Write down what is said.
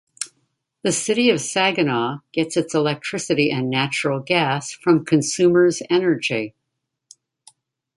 The City of Saginaw gets its electricity and natural gas from Consumers Energy.